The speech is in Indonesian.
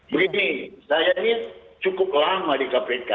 begini saya ini cukup lama di kpk